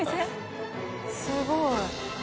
すごい。